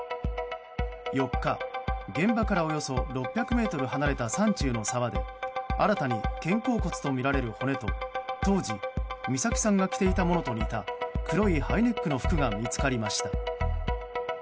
４日、現場からおよそ６００ｍ離れた山中の沢で新たに肩甲骨とみられる骨と当時、美咲さんが着ていたものと似た黒いハイネックの服が見つかりました。